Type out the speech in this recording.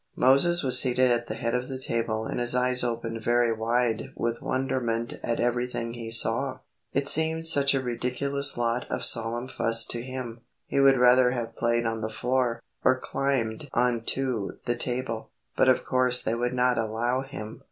Moses was seated at the head of the table and his eyes opened very wide with wonderment at everything he saw. It seemed such a ridiculous lot of solemn fuss to him. He would rather have played on the floor, or climbed on to the table, but of course they would not allow him.